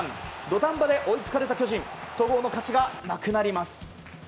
土壇場で追いつかれた巨人戸郷の勝ちがなくなります。